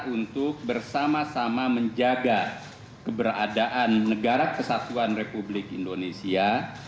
untuk bersama sama menjaga keberadaan negara kesatuan republik indonesia